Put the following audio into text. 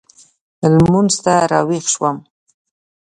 لمونځ ته راوېښ شوم.